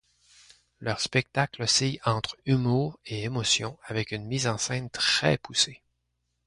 Leurs spectacles oscillent entre humour et émotion, avec une mise en scène très poussée.